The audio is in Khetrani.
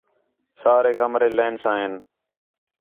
سارے کمرے لین ساں ہین